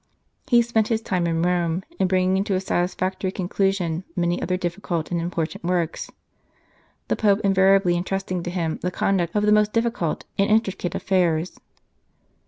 He spent his time in Rome in bringing to a satisfactory conclusion many other difficult and important works, the Pope invariably entrusting to him the conduct of the most difficult and intricate affairs.